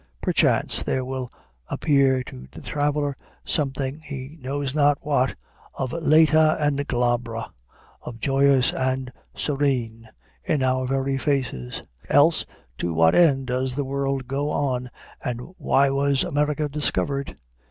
Perchance there will appear to the traveler something, he knows not what, of læta and glabra, of joyous and serene, in our very faces. Else to what end does the world go on, and why was America discovered?